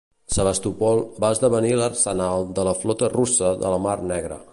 Sebastòpol va esdevenir l'arsenal de la flota russa de la Mar Negra.